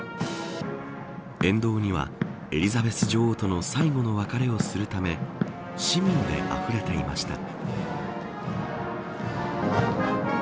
沿道には、エリザベス女王との最後の別れをするため市民であふれていました。